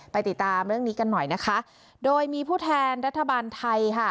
ติดตามเรื่องนี้กันหน่อยนะคะโดยมีผู้แทนรัฐบาลไทยค่ะ